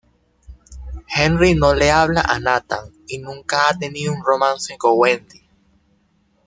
Henry no le habla a Nathan y nunca ha tenido un romance con Wendy.